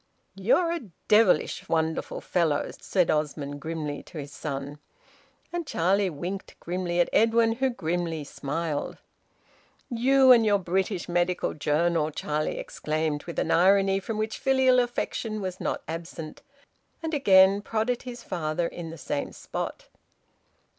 "You're a devilish wonderful fellow," said Osmond grimly to his son. And Charlie winked grimly at Edwin, who grimly smiled. "You and your `British Medical Journal'!" Charlie exclaimed, with an irony from which filial affection was not absent, and again prodded his father in the same spot.